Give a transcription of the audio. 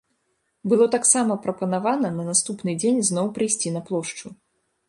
Было таксама прапанавана на наступны дзень зноў прыйсці на плошчу.